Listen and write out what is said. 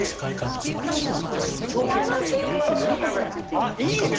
あっいいね！